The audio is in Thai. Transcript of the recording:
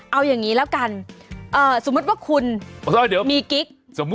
เอาอย่างนี้แล้วกันสมมุติว่าคุณมีกิ๊ก